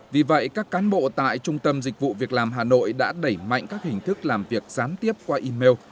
vì vậy các cán bộ tại trung tâm dịch vụ việc làm hà nội đã đẩy mạnh các hình thức làm việc gián tiếp qua email